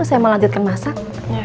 saya mau lanjutkan masak